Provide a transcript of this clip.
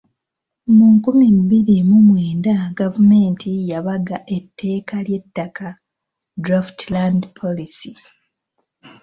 Mu nkumi bbiri mu mwenda gavumenti yabaga etteeka ly’ettaka (draft land policy).